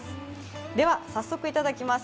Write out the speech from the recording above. では早速いただきます。